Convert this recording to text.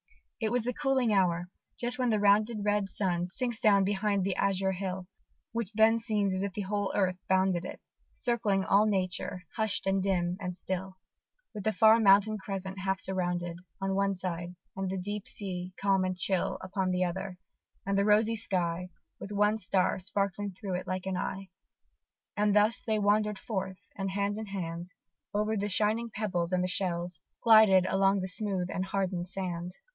It was the cooling hour, just when the rounded Red sun sinks down behind the azure hill, Which then seems as if the whole earth it bounded, Circling all nature, hush'd, and dim, and still, With the far mountain crescent half surrounded On one side, and the deep sea calm and chill, Upon the other, and the rosy sky, With one star sparkling through it like an eye. And thus they wander'd forth, and hand in hand, Over the shining pebbles and the shells, Glided along the smooth and harden'd sand....